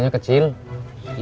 anak gua milih dulu oohachen